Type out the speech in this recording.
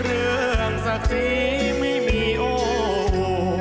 เรื่องศักดิ์ศรีไม่มีโอ้